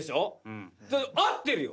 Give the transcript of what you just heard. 合ってるよ。